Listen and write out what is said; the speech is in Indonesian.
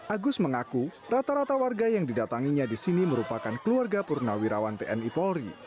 agus mengaku rata rata warga yang didatanginya di sini merupakan keluarga purnawirawan tni polri